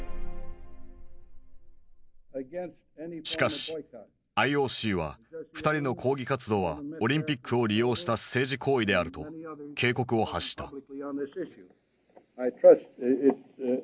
しかしＩＯＣは２人の抗議活動はオリンピックを利用した政治行為であると警告を発した。